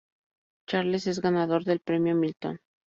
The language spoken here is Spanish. Charles es ganador del premio Milton.